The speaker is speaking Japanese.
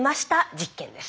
実験です。